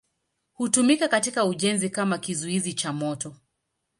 Hutumika katika ujenzi kama kizuizi cha moto.